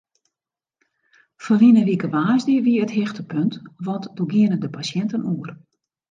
Ferline wike woansdei wie it hichtepunt want doe gienen de pasjinten oer.